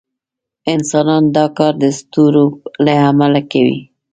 انسانان دا کار د اسطورو له امله کوي.